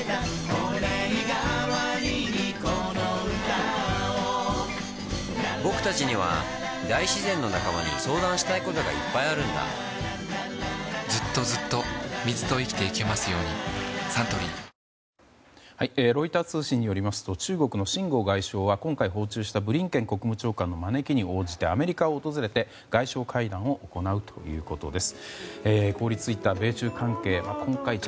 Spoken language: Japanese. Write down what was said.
御礼がわりにこの歌をぼくたちには大自然の仲間に相談したいことがいっぱいあるんだずっとずっと水と生きてゆけますようにサントリーロイター通信によりますと中国のシン・ゴウ外相は今回、訪中したブリンケン国務長官の招きに応じアメリカを訪れて外相会談を行うということです。